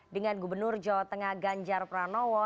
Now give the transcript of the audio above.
dengan gubernur jawa tengah ganjar pranowo